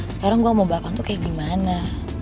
sekarang gue mau bakar tuh kayak gimana